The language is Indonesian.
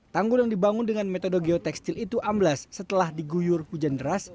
tanggul yang dibangun dengan metode geotekstil itu amblas setelah diguyur hujan deras